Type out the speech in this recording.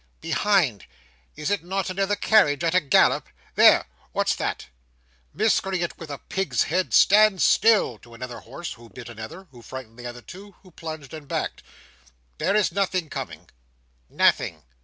"Behind. Is it not another carriage at a gallop? There! what's that?" "Miscreant with a Pig's head, stand still!" to another horse, who bit another, who frightened the other two, who plunged and backed. "There is nothing coming." "Nothing."